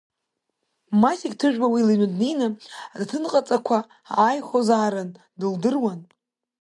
Масик Ҭыжәба уи лыҩны днеины аҭаҭынҟаҵақәа ааихәозаарын, дылдыруан.